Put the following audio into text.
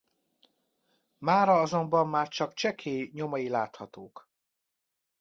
Mára azonban már csak csekély nyomai láthatók.